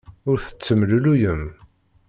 Ur tettemlelluyem.